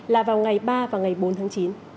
là vào ngày ba và ngày bốn tháng chín